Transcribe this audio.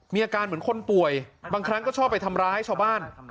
มีอาการเหมือนคนป่วยบางครั้งก็ชอบไปทำร้ายชาวบ้าน